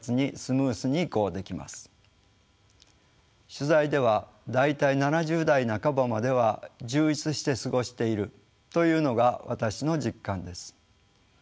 取材では大体７０代半ばまでは充実して過ごしているというのが私の実感です。